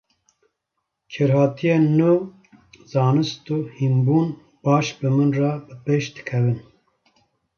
Kêrhatiyên nû, zanist û hînbûn, baş bi min re bi pêş dikevin.